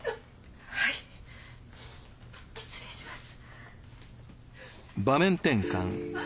はい失礼します。